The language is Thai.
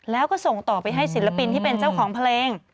แล้วก็ส่งต่อไปให้ศิลปินที่เป็นเจ้าของเพลง